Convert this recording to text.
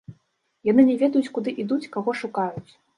Яны не ведаюць, куды ідуць, каго шукаюць.